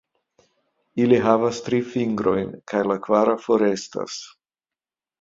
Ili havas tri fingrojn, kaj la kvara forestas.